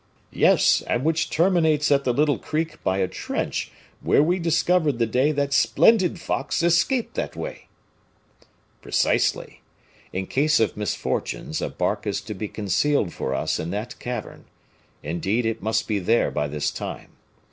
"Yes, and which terminates at the little creek by a trench where we discovered the day that splendid fox escaped that way." "Precisely. In case of misfortunes, a bark is to be concealed for us in that cavern; indeed, it must be there by this time.